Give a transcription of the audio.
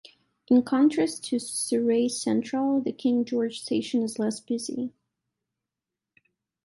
In contrast to Surrey Central, the King George station is less busy.